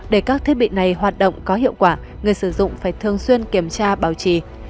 để các thiết bị này hoạt động có hiệu quả người sử dụng phải thường xuyên kiểm tra bảo trì